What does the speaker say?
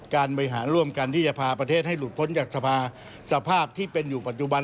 การบริหารร่วมกันที่จะพาประเทศให้หลุดพ้นจากสภาพที่เป็นอยู่ปัจจุบัน